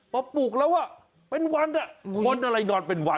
พอปลูกแล้วเป็นวันคนอะไรนอนเป็นวัน